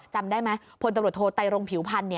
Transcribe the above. จำได้ไหมพลตำรวจโทไตรรงผิวพันธ์